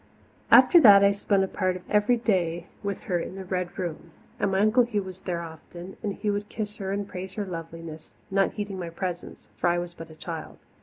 After that I spent a part of every day with her in the Red Room. And my Uncle Hugh was there often, and he would kiss her and praise her loveliness, not heeding my presence for I was but a child.